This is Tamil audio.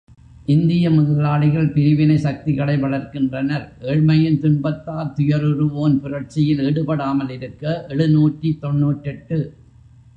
இந்திய முதலாளிகள் பிரிவினை சக்திகளை வளர்க்கின்றனர், ஏழ்மையின் துன்பத்தால் துயருறுவோன் புரட்சியில் ஈடுபடாமல் இருக்க எழுநூற்று தொன்னூற்றெட்டு.